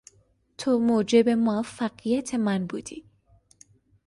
تو موجب موفقیت من بودی.